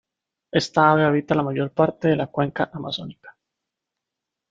Esta ave habita la mayor parte de la cuenca Amazónica.